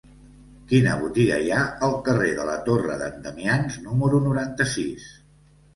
Quina botiga hi ha al carrer de la Torre d'en Damians número noranta-sis?